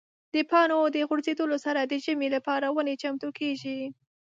د پاڼو د غورځېدو سره د ژمي لپاره ونې چمتو کېږي.